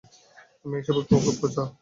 আমি এসবে খুব কাঁচা।